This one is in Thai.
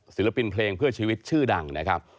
ศิลปินเพลงเพื่อชีวิตชื่อดังนะครับ